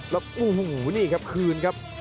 แล้วโอ้โหนี่ครับคืนครับ